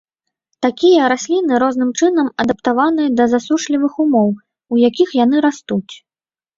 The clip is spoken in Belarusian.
Такія расліны розным чынам адаптаваныя да засушлівых умоў, у якіх яны растуць.